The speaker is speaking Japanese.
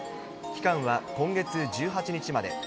期間は今月１８日まで。